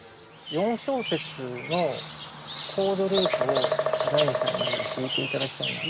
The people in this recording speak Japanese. ４小節のコードループをヒャダインさんに弾いていただきたいな。